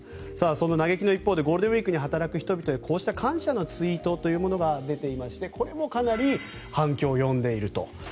そんな嘆きの一方でゴールデンウィークに働く人にこうした感謝のツイートというものが出ていましてこれもかなり反響を呼んでいると。